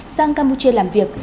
sang campuchia làm việc